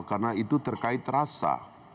karena itu terkait rasa